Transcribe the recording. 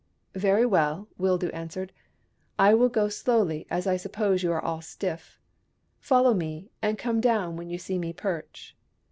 " Very well," Wildoo answered. " I will go slowly, as I suppose you are all stiff. Follow me, and come down when you see me perch."